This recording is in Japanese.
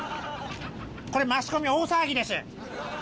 これマスコミ大騒ぎです